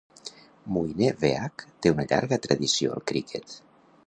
Muine Bheag té una llarga tradició al criquet.